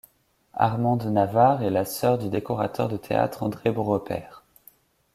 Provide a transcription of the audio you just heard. Armande Navarre est la soeur du décorateur de théâtre André Beaurepaire.